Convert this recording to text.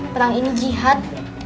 perang ini jihad